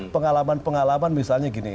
pengalaman pengalaman misalnya gini